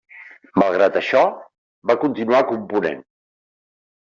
Malgrat això, va continuar component.